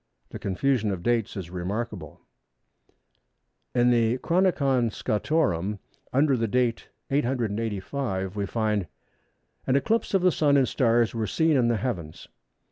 The confusion of dates is remarkable. In the Chronicon Scotorum, under the date of 885, we find:—"An eclipse of the Sun; and stars were seen in the heavens."